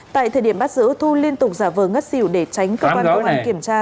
tại thời điểm bắt giữ thu liên tục giả vờ ngất xỉu để tránh cơ quan công an kiểm tra